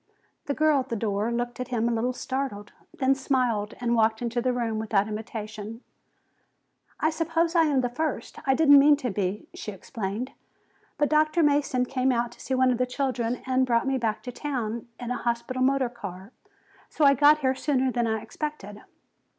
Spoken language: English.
The girl at the door looked a little startled, then smiled and walked into the room without invitation. "I suppose I am first. I didn't mean to be," she explained. "But Dr. Mason came out to see one of the children and brought me back to town in the hospital motor car. So I got here sooner than I expected."